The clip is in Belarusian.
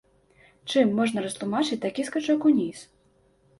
Чым можна растлумачыць такі скачок уніз?